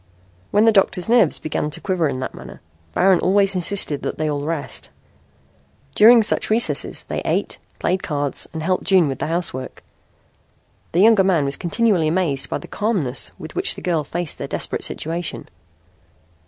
When the doctor's nerves began to quiver in that manner, Baron always insisted that they all rest. During such recesses they ate, played cards and helped June with the housework. The younger man was continually amazed by the calmness with which the girl faced their desperate situation.